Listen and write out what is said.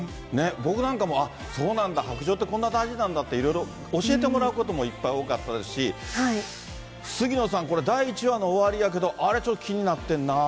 僕なんかも、あっ、そうなんだ、白杖ってこんな大事なんだって、教えてもらうこともいっぱい多かったですし、杉野さん、第１話の終わりやけどあれちょっと気になってんな。